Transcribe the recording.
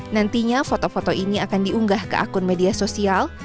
nantinya foto foto ini akan diunggah ke akun media sosial